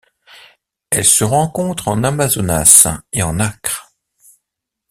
Elle se rencontre en Amazonas et en Acre.